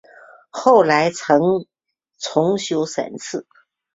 后来曾重修三次。